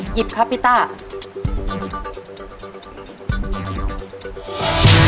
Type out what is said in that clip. หยิบครับพิตเตอร์